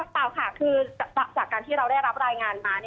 เปล่าค่ะคือจากการที่เราได้รับรายงานมา